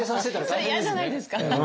それ嫌じゃないですか？